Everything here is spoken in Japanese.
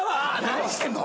何してんの。